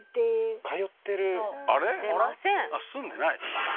住んでない？